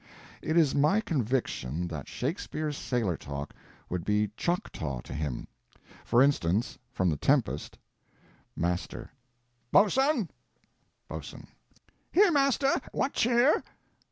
It is my conviction that Shakespeare's sailor talk would be Choctaw to him. For instance—from "The Tempest": Master. Boatswain! Boatswain. Here, master; what cheer?